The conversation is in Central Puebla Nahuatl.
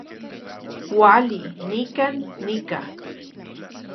Kuali, nikan nika